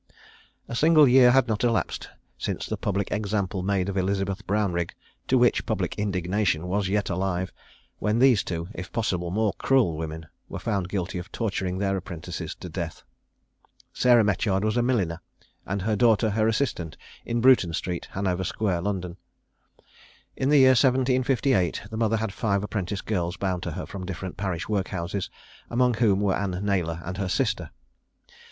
A single year had not elapsed since the public example made of Elizabeth Brownrigg, to which the public indignation was yet alive, when these two, if possible, more cruel women, were found guilty of torturing their apprentices to death. Sarah Metyard was a milliner, and her daughter her assistant, in Bruton street, Hanover square, London. In the year 1758 the mother had five apprentice girls bound to her from different parish workhouses, among whom were Anne Naylor and her sister.